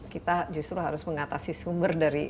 kita justru harus mengatasi sumber dari